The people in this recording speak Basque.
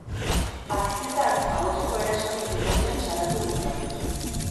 Aktetan ahozko erasorik egon den salatu dezaten.